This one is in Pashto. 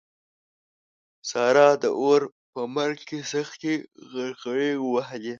سارا د اور په مرګ کې سختې غرغړې ووهلې.